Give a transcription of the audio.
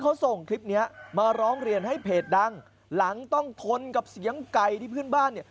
ขันแบบเฉียงขันดังกว่าเสียงมอเตอร์ไซส์